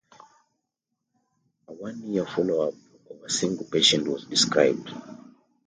A one-year follow-up of a single patient was described.